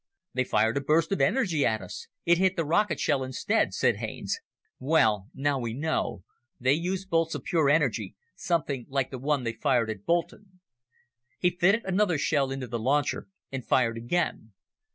"They fired a burst of energy at us. It hit the rocket shell instead," said Haines. "Well, now we know. They use bolts of pure energy something like the one they fired at Boulton." He fitted another shell into the launcher, and fired again.